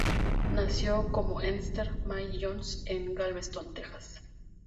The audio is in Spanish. Nació como Esther Mae Jones en Galveston, Texas.